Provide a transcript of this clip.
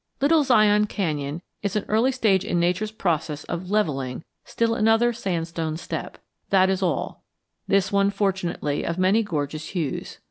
Little Zion Canyon is an early stage in Nature's process of levelling still another sandstone step, that is all; this one fortunately of many gorgeous hues.